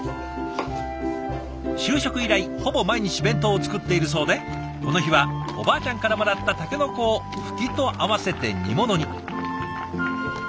就職以来ほぼ毎日弁当を作っているそうでこの日はおばあちゃんからもらったタケノコをフキと合わせて煮物に。